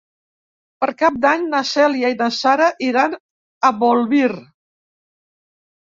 Per Cap d'Any na Cèlia i na Sara iran a Bolvir.